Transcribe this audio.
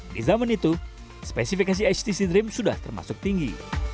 di zaman itu spesifikasi htc dream sudah termasuk tinggi